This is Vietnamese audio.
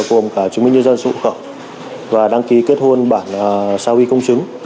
gồm cả chứng minh nhân dân sổ khẩu và đăng ký kết hôn bản sao huy công chứng